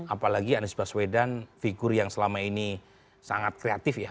apalagi anies baswedan figur yang selama ini sangat kreatif ya